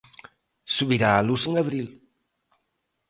Subirá a luz en abril.